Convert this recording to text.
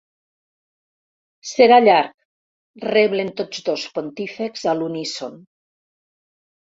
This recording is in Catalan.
Serà llarg —reblen tots dos pontífexs a l'uníson.